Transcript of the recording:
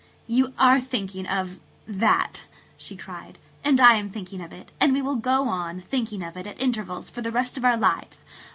"You are thinking of–that," she cried, [Page 154] "and I am thinking of it. And we will go on, thinking of it at intervals for the rest of our lives.